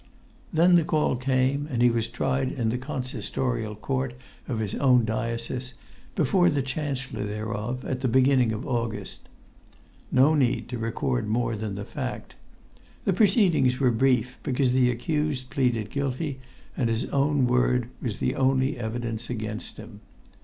Then the call came, and he was tried in the con[Pg 90]sistorial court of his own diocese, before the chancellor thereof, at the beginning of August. No need to record more than the fact. The proceedings were brief because the accused pleaded guilty and his own word was the only evidence against him.